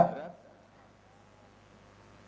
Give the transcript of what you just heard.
terdapat beberapa bentungan yang berada di kabupaten sumbawa barat